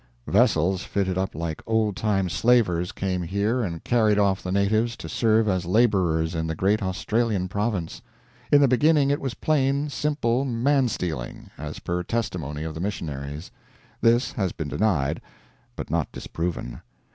Vessels fitted up like old time slavers came here and carried off the natives to serve as laborers in the great Australian province. In the beginning it was plain, simple man stealing, as per testimony of the missionaries. This has been denied, but not disproven.